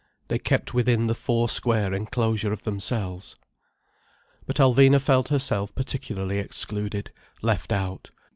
They kept within the four square enclosure of themselves. But Alvina felt herself particularly excluded, left out.